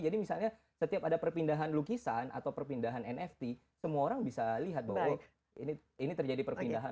jadi misalnya setiap ada perpindahan lukisan atau perpindahan nft semua orang bisa lihat bahwa ini terjadi perpindahan